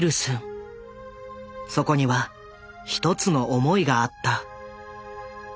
そこには１つの思いがあった。